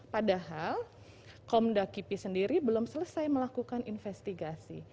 padahal komda kipi sendiri belum selesai melakukan investigasi